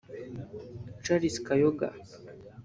Charles Kayonga